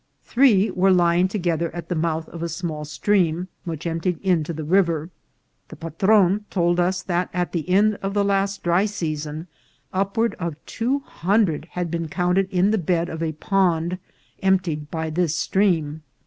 Three were lying together at the mouth of a small stream which emptied into the river. The patron told us that at the end of the last dry season upward of two hundred had been counted in the bed of a pond emptied by this stream.